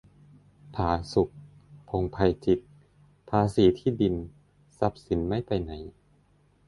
ผาสุก พงษ์ไพจิตร : ภาษีที่ดิน-ทรัพย์สินไม่ไปไหน